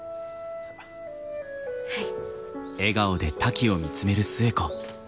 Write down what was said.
はい。